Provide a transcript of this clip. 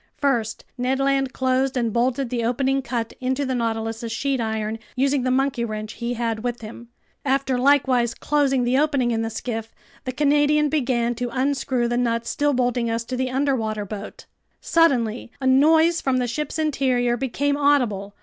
First, Ned Land closed and bolted the opening cut into the Nautilus's sheet iron, using the monkey wrench he had with him. After likewise closing the opening in the skiff, the Canadian began to unscrew the nuts still bolting us to the underwater boat. Suddenly a noise from the ship's interior became audible.